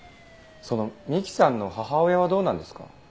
その美希さんの母親はどうなんですか？